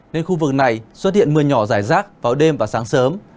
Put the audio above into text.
nên khu vực này xuất hiện mưa nhỏ rải rác vào đêm và sáng sớm